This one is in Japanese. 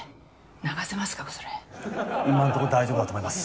今のとこ大丈夫だと思います